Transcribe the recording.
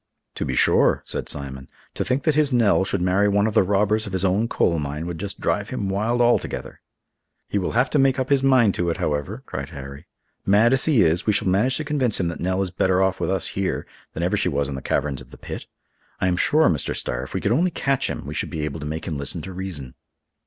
"To be sure," said Simon. "To think that his Nell should marry one of the robbers of his own coal mine would just drive him wild altogether." "He will have to make up his mind to it, however," cried Harry. "Mad as he is, we shall manage to convince him that Nell is better off with us here than ever she was in the caverns of the pit. I am sure, Mr. Starr, if we could only catch him, we should be able to make him listen to reason."